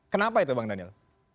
kenapa itu bang daniel